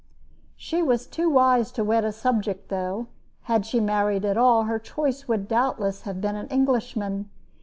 She was too wise to wed a subject; though, had she married at all, her choice would doubtless have been an Englishman.